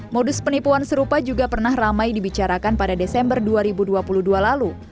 modus penipuan serupa juga pernah ramai dibicarakan pada desember dua ribu dua puluh dua lalu